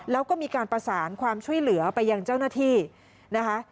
แล้วก็มีการประสานความช่วยเหลือไปยังเจ้าหน้าที่นะคะ